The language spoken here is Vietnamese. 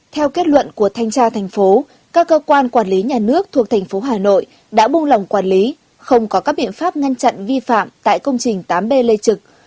theo kết luận của thanh tra thành phố các cơ quan quản lý nhà nước thuộc thành phố hà nội đã buông lòng quản lý không có các biện pháp ngăn chặn vi phạm tại công trình tám b lê trực